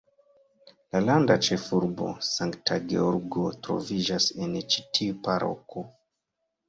La landa ĉefurbo, Sankta Georgo troviĝas en ĉi tiu paroko.